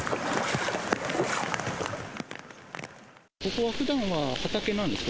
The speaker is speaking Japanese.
ここはふだんは畑なんですか？